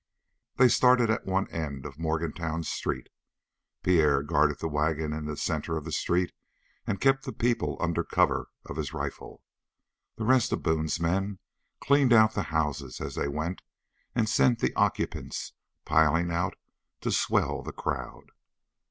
They started at one end of Morgantown's street. Pierre guarded the wagon in the center of the street and kept the people under cover of his rifle. The rest of Boone's men cleaned out the houses as they went and sent the occupants piling out to swell the crowd.